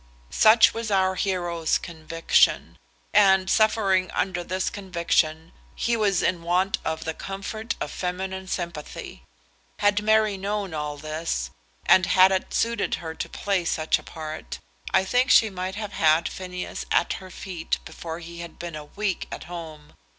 Such was our hero's conviction; and, suffering under this conviction, he was in want of the comfort of feminine sympathy. Had Mary known all this, and had it suited her to play such a part, I think she might have had Phineas at her feet before he had been a week at home.